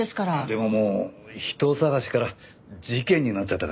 でももう人捜しから事件になっちゃったからな。